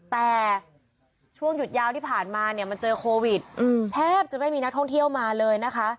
แต่ช่วงหยุดยาวที่ผ่านมาเนี่ยมันเจอโควิดแทบจะไม่มีนักท่องเที่ยวมาเลยนะคะ